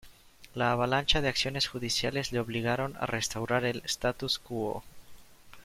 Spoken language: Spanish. La avalancha de acciones judiciales le obligaron a restaurar el "status quo".